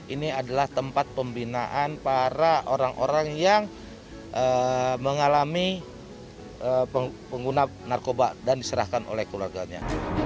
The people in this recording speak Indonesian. ini adalah tempat pembinaan para orang orang yang mengalami pengguna narkoba dan diserahkan oleh keluarganya